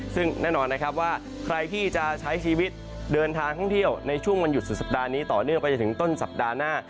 ซึ่งแน่นอนนะครับว่าใครที่จะใช้ชีวิตเดินทางท่องเที่ยวในช่วงวันหยุดสุดสัปดาห์นี้ต่อเนื่องไปจนถึงต้นสัปดาห์หน้า